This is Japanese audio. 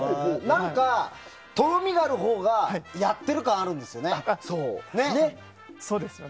何か、とろみがあるほうがやっている感あるんですよね。